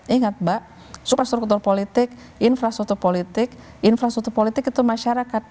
ingat mbak superstruktur politik infrastruktur politik infrastruktur politik itu masyarakat